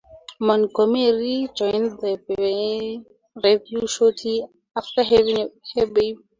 Montgomery joined the Revue shortly after having her baby.